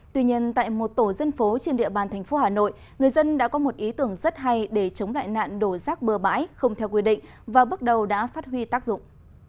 tuy nhiên tại một tổ dân phố trên địa bàn thành phố hà nội người dân đã có một ý tưởng rất hay để chống lại nạn đổ rác bừa bãi không theo quy định và bước đầu đã phát huy tác dụng